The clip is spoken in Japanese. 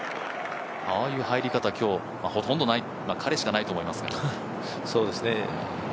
ああいう入り方、今日ほとんどない彼しかないと思いますが。